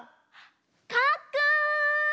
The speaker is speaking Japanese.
かっくん！